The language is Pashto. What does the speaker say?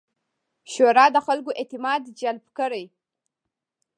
شورا د خلکو اعتماد جلب کړي.